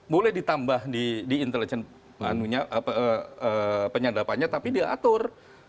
boleh ditambah di intelijen penyadapannya tapi diatur